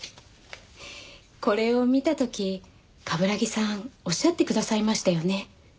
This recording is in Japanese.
これを見た時冠城さんおっしゃってくださいましたよね。